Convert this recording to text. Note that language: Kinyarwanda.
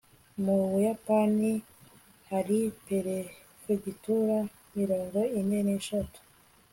mu buyapani hari perefegitura mirongo ine n'eshatu